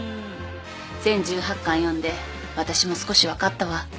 全１８巻読んで私も少し分かったわ。